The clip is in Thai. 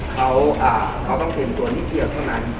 เขาระเงินเต็มตัวนิดเดียวเท่านั้น